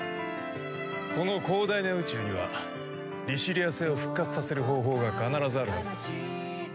この広大な宇宙にはリシュリア星を復活させる方法が必ずあるはずだ。